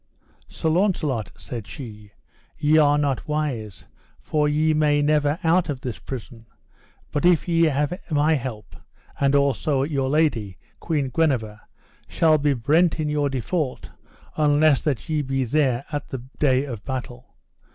Sir Launcelot, said she, ye are not wise, for ye may never out of this prison, but if ye have my help; and also your lady, Queen Guenever, shall be brent in your default, unless that ye be there at the day of battle.